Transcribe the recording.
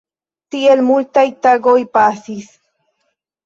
Tiel multaj tagoj pasis.